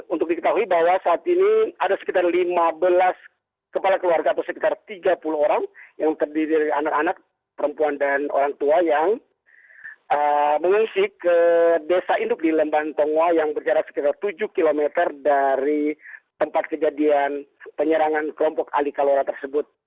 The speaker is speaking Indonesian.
untuk diketahui bahwa saat ini ada sekitar lima belas kepala keluarga atau sekitar tiga puluh orang yang terdiri dari anak anak perempuan dan orang tua yang mengungsi ke desa induk di lembanto yang berjarak sekitar tujuh km dari tempat kejadian penyerangan kelompok ali kalora tersebut